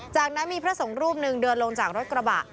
จากนั้นมีพระสงฆ์รูปหนึ่งเดินลงจากรถกระบะ